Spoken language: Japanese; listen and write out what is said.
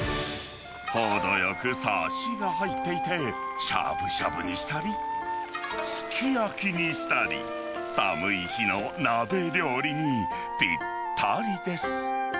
程よくさしが入っていて、しゃぶしゃぶにしたり、すき焼きにしたり、寒い日の鍋料理にぴったりです。